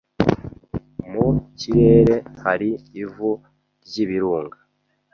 Mu kirere hari ivu ryibirunga.